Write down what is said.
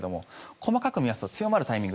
細かく見ますと強まるタイミング